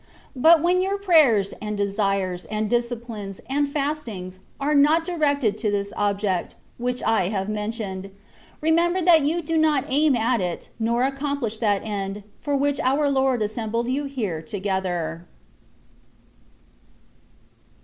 But when your prayers, and desires, and disciplines, and fastings, are not directed to this object, which I have men tioned, remember that you do not aim at, nor accomplish that end, for which our Lord assem bled you here together.